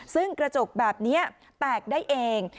ซึ่งกระจกแบบนี้แตกได้เอง